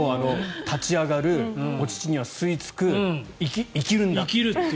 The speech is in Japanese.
立ち上がる、お乳には吸いつく生きるんだと。